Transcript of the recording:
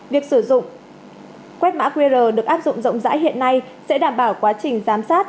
việc sử dụng quét mã qr được áp dụng rộng rãi hiện nay sẽ đảm bảo quá trình giám sát